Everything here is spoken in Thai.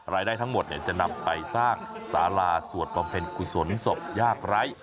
รายได้ทั้งหมดจะนำไปสร้างสาราสวดบำเพ็ญกุศลศพยากไร้